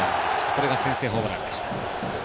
これが先制ホームランでした。